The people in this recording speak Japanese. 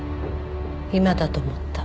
今だと思った。